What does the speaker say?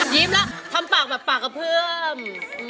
ยิ้มแล้วทำปากแบบปากกระเพื่อม